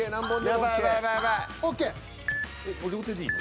これ両手でいいの？